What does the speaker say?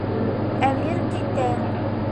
Әмир китә.